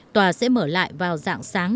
tòa sẽ mở lại vào dạng sáng